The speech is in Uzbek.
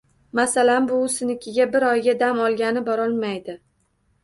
Masalan, buvisinikiga bir oyga dam olgani borolmaydi.